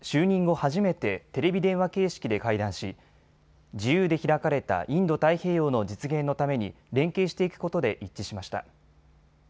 初めてテレビ電話形式で会談し自由で開かれたインド太平洋の実現のために連携していくことで一致しました。